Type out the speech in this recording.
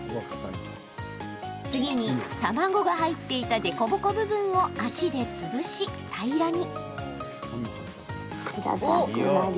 次に卵が入っていた凹凸部分を足で潰し平らに。